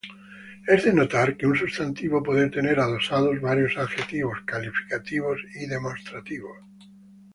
Es de notar que un sustantivo puede tener adosados varios adjetivos calificativos y demostrativos.